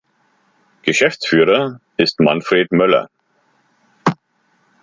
Geschäftsführer ist Manfred Möller.